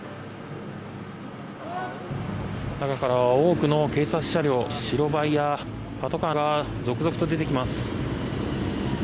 中から多くの警察車両白バイやパトカーが続々と出てきます。